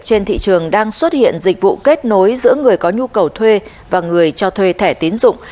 trên thị trường đang xuất hiện dịch vụ kết nối giữa người có nhu cầu thuê và người cho thuê thẻ tiến dụng